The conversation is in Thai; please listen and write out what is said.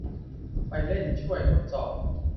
ไปเล่น - ช่วยทดสอบ